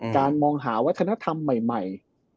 มองหาวัฒนธรรมใหม่